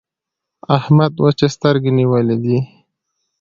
احمد وچې سترګې نيولې دي.